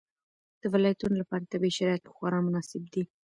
د ولایتونو لپاره طبیعي شرایط خورا مناسب دي.